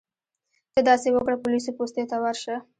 ته داسې وکړه پولیسو پوستې ته ورشه.